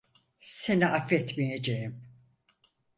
Seni affetmeyeceğim!